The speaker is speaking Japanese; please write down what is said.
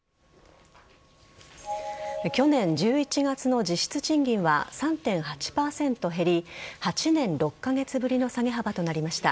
去年１１月の実質賃金は３．８％減り８年６カ月ぶりの下げ幅となりました。